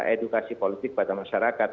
edukasi politik pada masyarakat